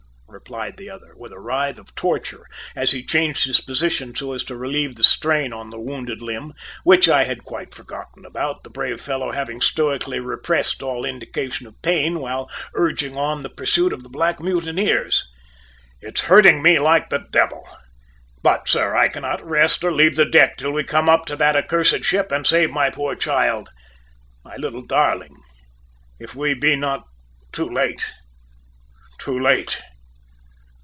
replied the other, with a writhe of torture as he changed his position so as to relieve the strain on the wounded limb, which I had quite forgotten about, the brave follow having stoically repressed all indication of pain while urging on the pursuit of the black mutineers. "It's hurting me like the devil! But, sir, I cannot rest or leave the deck till we come up to that accursed ship and save my poor child, my little darling if we be not too late, too late!"